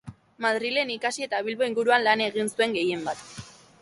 Madrilen ikasi eta Bilbo inguruan lan egin zuen gehienbat.